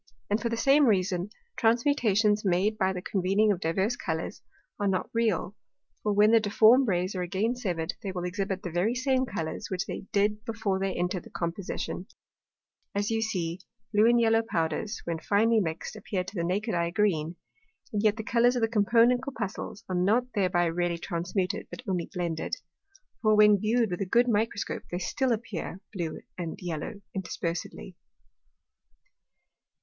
And for the same reason, Transmutations made by the convening of divers Colours are not real; for when the difform Rays are again severed, they will exhibit the very same Colours, which they did before they entered the Composition; as you see, Blue and Yellow Powders, when finely mixed, appear to the naked Eye Green, and yet the Colours of the component Corpuscles are not thereby really transmuted, but only blended. For, when viewed with a good Microscope, they still appear Blue and Yellow interspersedly.